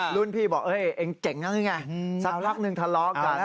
รุ่นพี่บอกเฮ้ยเองเจ๋งนะนี่ไงสักพักนึงทะเลากัน